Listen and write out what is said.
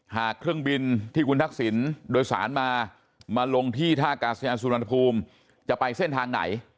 หากเครื่องบินที่คุณทักษิณโดยสารมามาลงที่ท่ากาศยานสุวรรณภูมิจะไปเส้นทางไหน